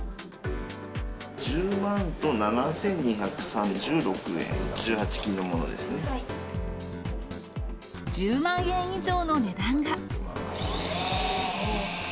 １０万と７２３６円、１８金１０万円以上の値段が。